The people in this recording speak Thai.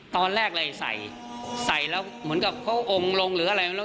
ตอนแรกเลยใส่ใส่แล้วเหมือนกับพระองค์ลงหรืออะไรไม่รู้